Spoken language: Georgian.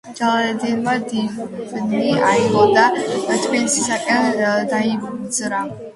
ჯალალედინმა დვინი აიღო და თბილისისაკენ დაიძრა.